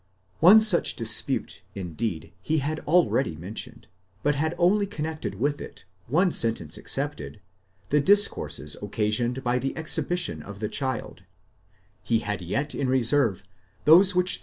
One such dispute indeed, he had already mentioned, but had only connected with it, one sentence excepted, the discourses occa sioned by the exhibition of the child ; he had yet in reserve those which the 308 PART Il. CHAPTER VIII. § 87.